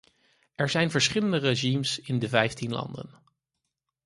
Er zijn verschillende regimes in de vijftien landen.